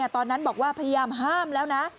ตอนนั้นบอกว่าพยายามห้ามแล้วนะ